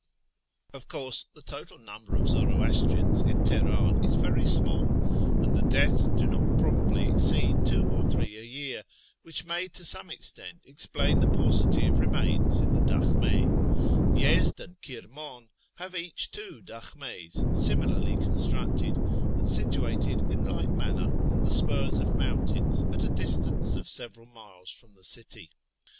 Of course the total number of Zoroastrians in Teheran is very small, and the deaths do not probably exceed two or three a year, which may to some extent explain the paucity of remains in the daklimL Yezd and Kirman have each two dakhmes, similarly constructed, and situated in like manner on the spurs of mountains at a distance of several miles from the city.